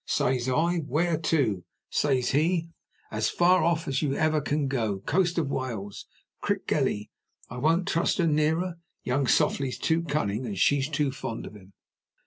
Says I, 'Where to?' Says he, 'As far off as ever you can go; coast of Wales Crickgelly. I won't trust her nearer; young Softly's too cunning, and she's too fond of him.